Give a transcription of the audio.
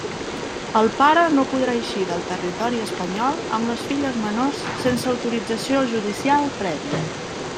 El pare no podrà eixir del territori espanyol amb les filles menors sense autorització judicial prèvia.